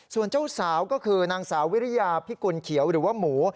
ส่วนเจ้าสาวก็คือนางสาววิริยาพิกุลเขียวหรือว่าหมู